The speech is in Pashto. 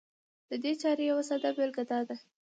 د دې چارې يوه ساده بېلګه دا ده